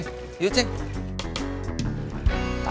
masih ada yang mau berbicara